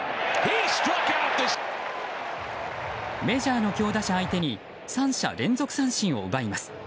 メジャーの強打者相手に三者連続三振を奪います。